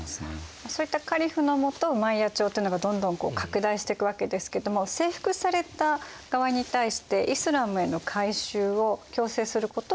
そういったカリフの下ウマイヤ朝っていうのがどんどん拡大していくわけですけども征服された側に対してイスラームへの改宗を強制することは？